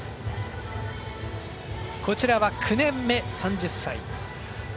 こちらは９年目、３０歳。